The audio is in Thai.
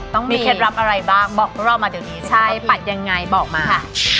ต้องมีเคล็ดลับอะไรบ้างบอกพวกเรามาจากนี้นะครับป้าพิมใช่ปัดยังไงบอกมา